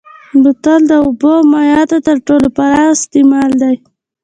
بوتل د اوبو او مایعاتو تر ټولو پراخ استعمال لري.